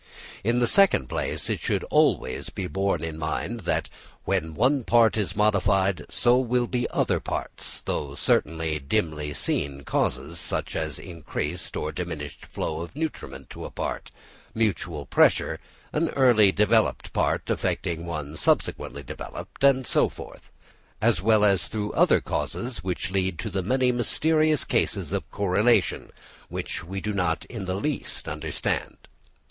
In the second place, it should always be borne in mind that when one part is modified, so will be other parts, through certain dimly seen causes, such as an increased or diminished flow of nutriment to a part, mutual pressure, an early developed part affecting one subsequently developed, and so forth—as well as through other causes which lead to the many mysterious cases of correlation, which we do not in the least understand.